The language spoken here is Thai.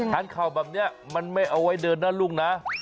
เข่าแบบนี้มันไม่เอาไว้เดินนะลูกนะ